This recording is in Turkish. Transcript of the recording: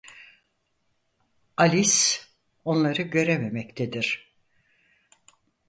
Alice onları görememektedir.